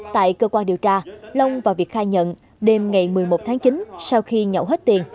tại cơ quan điều tra long và việt khai nhận đêm ngày một mươi một tháng chín sau khi nhậu hết tiền